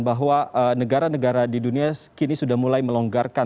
bahwa negara negara di dunia kini sudah mulai melonggarkan